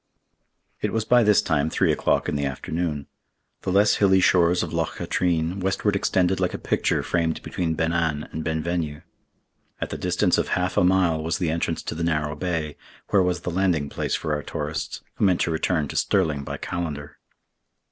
It was by this time three o'clock in the afternoon. The less hilly shores of Loch Katrine westward extended like a picture framed between Ben An and Ben Venue. At the distance of half a mile was the entrance to the narrow bay, where was the landing place for our tourists, who meant to return to Stirling by Callander.